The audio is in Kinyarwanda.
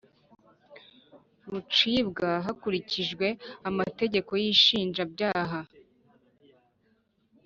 Rucibwa hakurikijwe amategeko y’inshinjabyaha